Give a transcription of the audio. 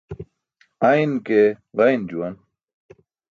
Ayn ke ġayn juwan.